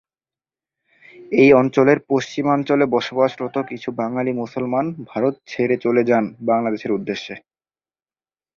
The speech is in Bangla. এই অঞ্চলের পশ্চিমাঞ্চলে বসবাসরত কিছু বাঙালি মুসলমান ভারত ছেড়ে চলে যান বাংলাদেশের উদ্দেশ্যে।